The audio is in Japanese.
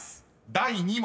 第２問］